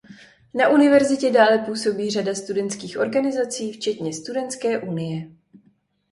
Na univerzitě dále působí řada studentských organizací včetně studentské unie.